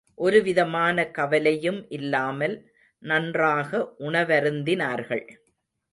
ஒருவிதமான கவலையும் இல்லாமல் நன்றாக உணவருந்தினார்கள்.